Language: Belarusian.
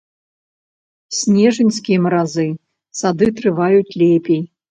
Снежаньскія маразы сады трываюць лепей.